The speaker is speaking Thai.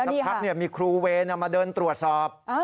สักพักมีครูเวรมาเดินตรวจสอบ